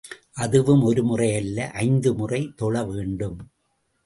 அதுவும் ஒரு முறை அல்ல, ஐந்து முறை தொழ வேண்டும்.